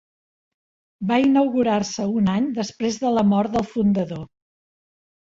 Va inaugurar-se un any després de la mort del fundador.